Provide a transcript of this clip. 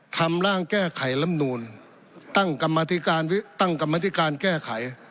ทำร่างแก้ไขลำนูลตั้งกรรมธิการตั้งกรรมธิการแก้ไข